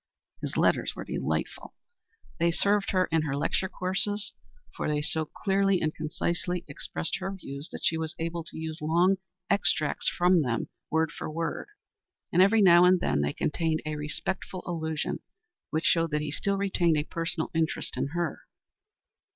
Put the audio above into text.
His letters were delightful. They served her in her lecture courses, for they so clearly and concisely expressed her views that she was able to use long extracts from them word for word. And every now and then they contained a respectful allusion which showed that he still retained a personal interest in her.